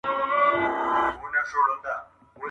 نور د نورو لېوني دې کبرجنې